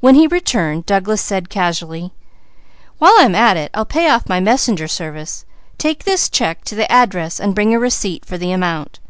When he returned Douglas said casually: "While I am at it, I'll pay off my messenger service. Take this check to the address and bring a receipt for the amount."